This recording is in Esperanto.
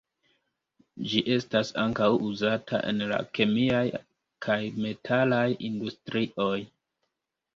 Ĝi estas ankaŭ uzata en la kemiaj kaj metalaj industrioj.